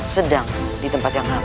sedang di tempat yang sama